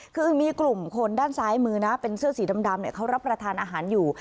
คือมีกลุ่มคนด้านซ้ายมือนะเป็นเสื้อสีดำเขารับประทานอาหารอยู่